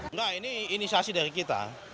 enggak ini inisiasi dari kita